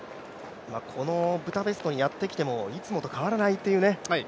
このブダペストにやって来てもいつもと変わらないという。